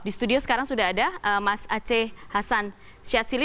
di studio sekarang sudah ada mas aceh hasan syadsili